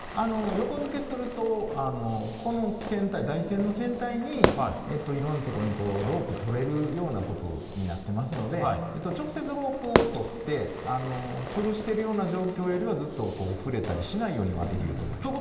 横付けすると、この船体、台船の船体に、いろんな所にロープ取れるようなことになっていますので、直接ロープを取って、つるしてるような状況よりは、ずっと触れたりしないようにはできると思います。